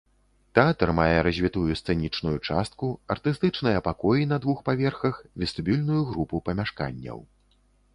Тэатр мае развітую сцэнічную частку, артыстычныя пакоі на двух паверхах, вестыбюльную групу памяшканняў.